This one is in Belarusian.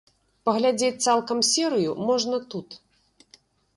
Паглядзець цалкам серыю можна тут.